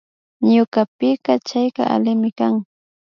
Ñukapika chayka allimi kan